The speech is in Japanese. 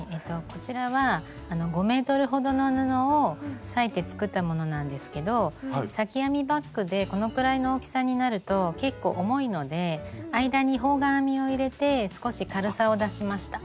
こちらは５ｍほどの布を裂いて作ったものなんですけど裂き編みバッグでこのくらいの大きさになると結構重いので間に方眼編みを入れて少し軽さを出しました。